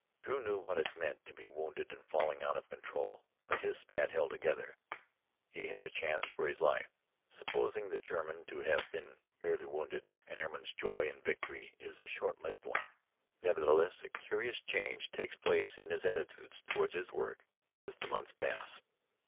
Drew knew what it meant to be wounded and falling out of control. But his Spad held together. He had a chance for his life. Supposing the German to have been merely wounded An airman's joy in victory is a short lived one. Nevertheless, a curious change takes place in his attitude toward his work, as the months pass.